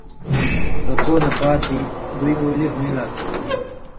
رُکوع نہ پاتی بُوئ اُولی ہُوئیں لا تھہ۔